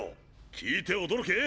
聞いて驚け！